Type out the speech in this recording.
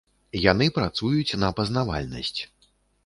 Яны працуюць на пазнавальнасць.